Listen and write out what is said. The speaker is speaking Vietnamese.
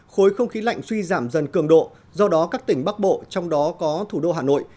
khối không khí lạnh suy giảm dần cường độ do đó các tỉnh bắc bộ trong đó có thủ đô hà nội